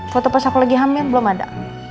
waktu pas aku lagi hamil belum ada